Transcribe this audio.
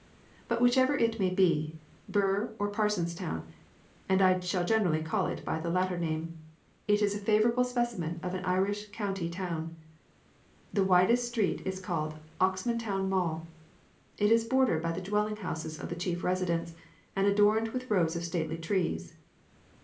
But whichever it may be, Birr or Parsonstown and I shall generally call it by the latter name it is a favourable specimen of an Irish county town. The widest street is called the Oxmantown Mall. It is bordered by the dwelling houses of the chief residents, and adorned with rows of stately trees.